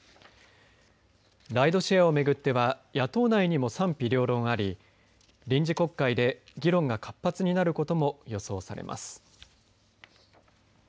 ライドシェアを巡っては野党内にも賛否両論あり臨時国会で議論が活発になることも予想されます。